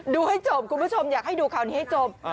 ดูให้จบคุณผู้ชมอยากให้ดูข่าวนี้ให้จบ